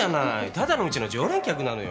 ただのうちの常連客なのよ。